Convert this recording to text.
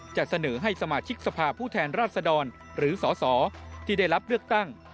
จะเสนอให้สมาชิกสภาพผู้แทนราชดรหรือสสที่ได้รับเลือกตั้ง